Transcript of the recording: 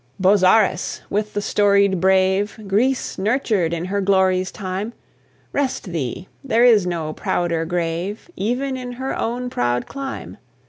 Bozzaris! with the storied brave Greece nurtured in her glory's time, Rest thee there is no prouder grave, Even in her own proud clime.